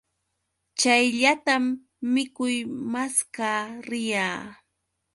Chayllatam mikuy maskaa riyaa.